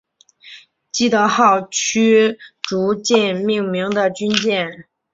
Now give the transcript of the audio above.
基德号驱逐舰命名的军舰。